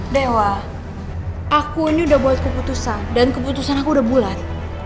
dewa aku ini udah buat keputusan dan keputusan aku udah bulat